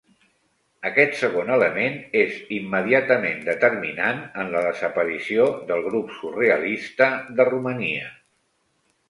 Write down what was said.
Aquest segon element és immediatament determinant en la desaparició del grup surrealista de Romania.